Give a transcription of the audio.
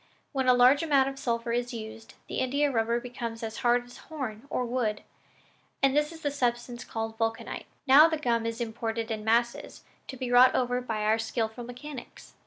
When a large amount of sulphur is used, the India rubber, becomes as hard as horn or wood, and this is the substance called vulcanite. Now the gum is imported in masses, to be wrought over by our skillful mechanics."